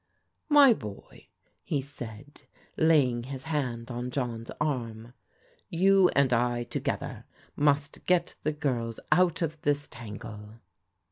" My boy," he said, laying his hand on John's arm, "you and I, together, must get the girls out of this tangle."